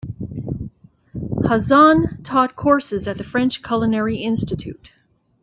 Hazan taught courses at the French Culinary Institute.